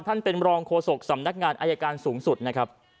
ท่านเป็นรองโฆษกสำนักงานอายการสูงสุดนะครับ